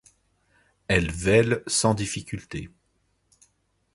Elle vêle sans difficultés.